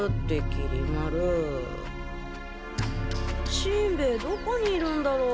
しんべヱどこにいるんだろう？